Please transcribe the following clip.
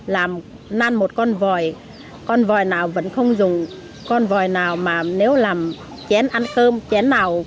làm năn một con vòi con vòi nào vẫn không dùng con vòi nào mà nếu làm chén ăn cơm chén nào